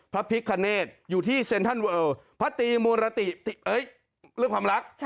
พระพิคเนตอยู่ที่เซ็นทรัลเวิร์ลพระตีมูรติเรื่องความรัก